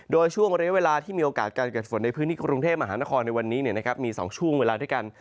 โดยช่วงระยะเวลาที่มีโอกาสการเกิดฝนในพื้นที่กรุงเทพมหานครในวันนี้มี๒ช่วงเวลาด้วยกัน